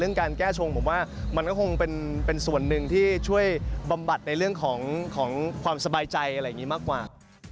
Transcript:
การแก้ชงผมว่ามันก็คงเป็นส่วนหนึ่งที่ช่วยบำบัดในเรื่องของความสบายใจอะไรอย่างนี้มากกว่า